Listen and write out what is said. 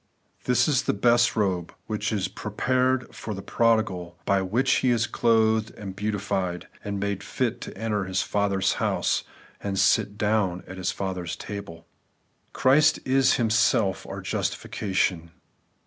This is the ' best robe ' which is prepared for the prodigal, by which he is clothed and beautified, and made fit to enter his Father's house, and sit down at his Father^s table. Christ is Himself our justification.